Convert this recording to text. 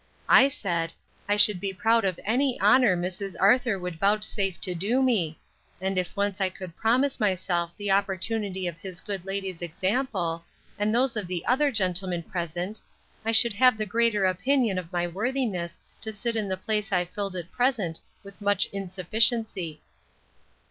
I said, I should be proud of any honour Mrs. Arthur would vouchsafe to do me; and if once I could promise myself the opportunity of his good lady's example, and those of the other gentlemen present, I should have the greater opinion of my worthiness to sit in the place I filled at present with much insufficiency.